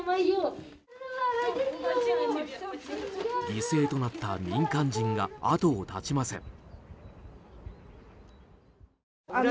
犠牲となった民間人が後を絶ちません。